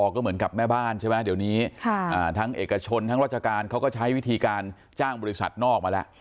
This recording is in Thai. ก็เหมือนกับแม่บ้านใช่ไหมเดี๋ยวนี้ทั้งเอกชนทั้งราชการเขาก็ใช้วิธีการจ้างบริษัทนอกมาแล้ว